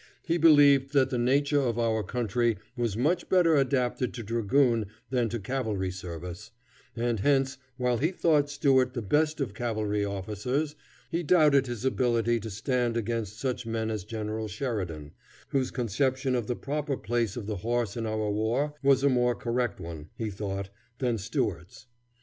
He believed that the nature of our country was much better adapted to dragoon than to cavalry service, and hence, while he thought Stuart the best of cavalry officers, he doubted his ability to stand against such men as General Sheridan, whose conception of the proper place of the horse in our war was a more correct one, he thought, than Stuart's.